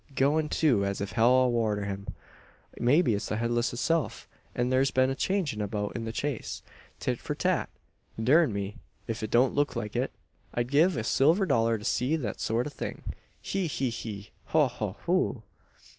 Goin', too, as if hell war arter him! Maybe it's the Headless hisself, and thur's been a changin' about in the chase tit for tat! Darn me, ef it don't look like it! I'd gie a silver dollar to see thet sort o' a thing. He, he, he, ho, ho, hoo!"